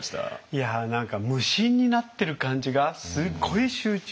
いや何か無心になってる感じがすごい集中。